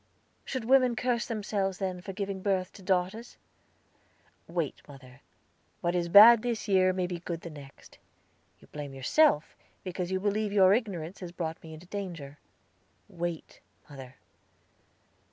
"Should women curse themselves, then, for giving birth to daughters?" "Wait, mother; what is bad this year may be good the next. You blame yourself, because you believe your ignorance has brought me into danger. Wait, mother."